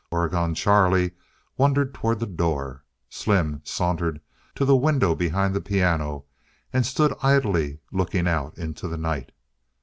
Oregon Charlie wandered toward the door. Slim sauntered to the window behind the piano and stood idly looking out into the night.